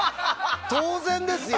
当然ですよ。